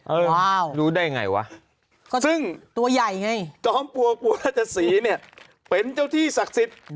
เออรู้ได้อย่างไรวะซึ่งจ้อมปั่วกปู่รัชศรีเนี่ยเป็นเจ้าที่ศักดิ์สิทธิ์